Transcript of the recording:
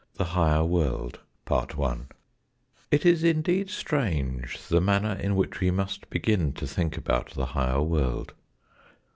THE HIGHER WORLD IT is indeed strange, the manner in which we must begin to think about the higher world.